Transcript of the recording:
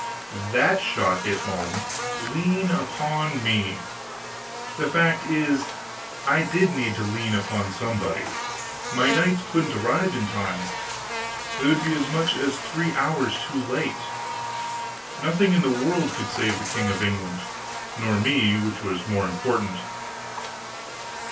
that shot hit home! Lean upon me." The fact is I did need to lean upon somebody. My knights couldn't arrive in time. They would be as much as three hours too late. Nothing in the world could save the King of England; nor me, which was more important.